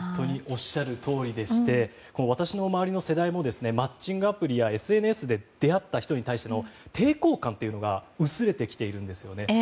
おっしゃるとおりでして私の周りの世代もマッチングアプリや、ＳＮＳで出会った人に対しての抵抗感が薄れてきているんですね。